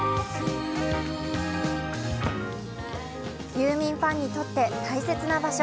ユーミンファンにとって大切な場所。